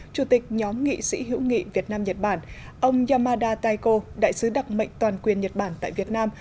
chủ tịch nhóm nghị sĩ hữu nghị việt nam nhật bản ông yamada taeko đại sứ đặc mệnh toàn quyền nhật bản tại việt nam